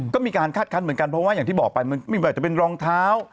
ก็มีการคาดคันเหมือนกันเพราะว่าอย่างที่บอกไปมันไม่ว่าจะเป็นรองเท้า